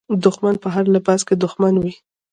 دښمن په هر لباس کې دښمن وي.